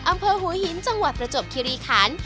อำเภอหัวหินจังหวัดประจวบคิริขัน